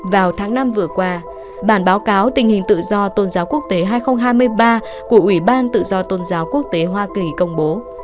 vào tháng năm vừa qua bản báo cáo tình hình tự do tôn giáo quốc tế hai nghìn hai mươi ba của ủy ban tự do tôn giáo quốc tế hoa kỳ công bố